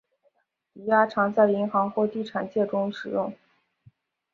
抵押常在银行或地产界中使用。